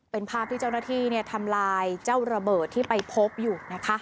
เป็นภาพที่เจ้าหน้าที่ทำลายเจ้าระเบิดที่ไปพบอยู่นะคะ